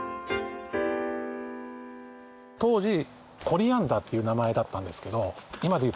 当時コリアンダーっていう名前だったんですけど今でいう